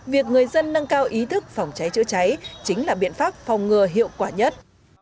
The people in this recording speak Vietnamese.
việc người dân nâng cao ý thức phòng cháy chữa cháy chính là biện pháp phòng ngừa hiệu quả nhất